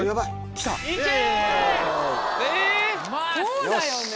そうだよね。